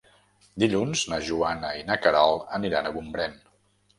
Dilluns na Joana i na Queralt aniran a Gombrèn.